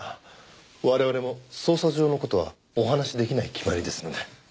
我々も捜査上の事はお話し出来ない決まりですので。